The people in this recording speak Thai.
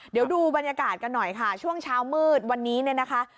เดี๋ยวดูบรรยากาศกันหน่อยค่ะช่วงเช้ามืดวันนี้เนี่ยนะคะ